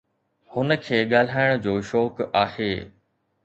هن کي ڳالهائڻ جو شوق آهي.